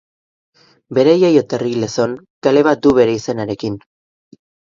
Bere jaioterri Lezon, kale bat du bere izenarekin.